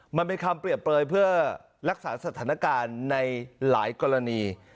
มันเป็นคำเปรียบเปลยเพื่อรักษาสถานการณ์ในหลายกรณี